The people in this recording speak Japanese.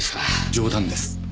冗談です。